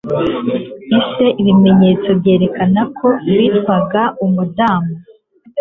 Ese ibimenyetso byerekana ko bitwaga umudamu